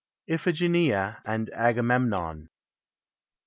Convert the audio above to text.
IPHIGENEIA AND AGAMEMNON.